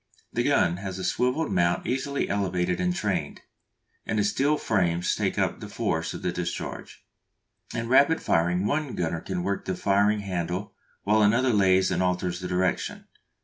The gun has a swivelled mount easily elevated and trained, and the steel frames take up the force of the discharge. In rapid firing one gunner can work the firing handle while another lays and alters the direction.